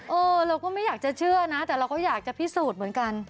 เออเราก็ไม่อยากจะเชื่อนะแต่เราก็อยากจะพิสูจน์เหมือนกัน